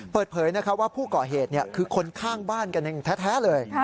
เปิดเผยว่าผู้ก่อเหตุคือคนข้างบ้านกันเองแท้เลย